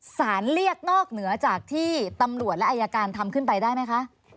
สารเรียกนอกเหนือจากที่ตำรวจและอายการทำขึ้นไปได้ไหมคะ